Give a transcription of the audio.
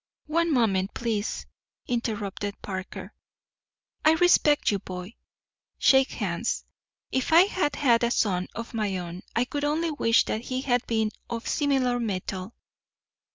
"One moment, please," interrupted Parker. "I respect you, boy. Shake hands. If I had had a son of my own I could only wish that he had been of similar metal.